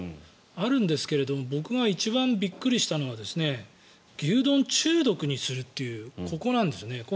あるんですけれど僕が一番びっくりしたのは牛丼中毒にするというここなんですよね。